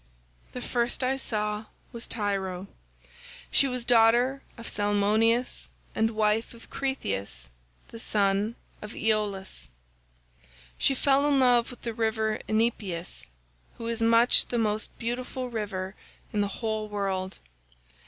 "The first I saw was Tyro. She was daughter of Salmoneus and wife of Cretheus the son of Aeolus.94 She fell in love with the river Enipeus who is much the most beautiful river in the whole world.